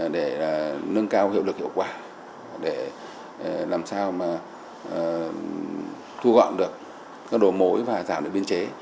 để nâng cao hiệu lực hiệu quả để làm sao mà thu gọn được các đồ mối và giảm được biên chế